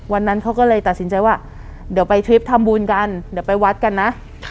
วันนั้นเขาก็เลยตัดสินใจว่าเดี๋ยวไปทริปทำบุญกันเดี๋ยวไปวัดกันนะ